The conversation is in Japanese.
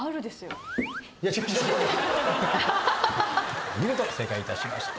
いや見事正解いたしました。